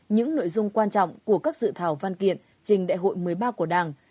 những nội dung quan trọng của các dự thảo văn kiện trình đại hội một mươi ba của đảng